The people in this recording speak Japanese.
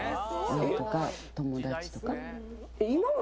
親とか友達とか。